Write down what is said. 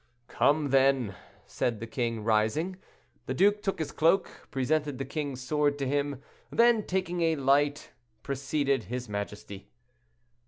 "Come, then," said the king, rising. The duke took his cloak, presented the king's sword to him, then, taking a light, preceded his majesty.